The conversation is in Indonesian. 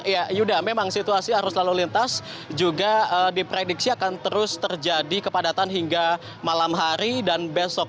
ya yuda memang situasi arus lalu lintas juga diprediksi akan terus terjadi kepadatan hingga malam hari dan besok